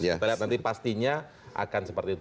kita lihat nanti pastinya akan seperti itu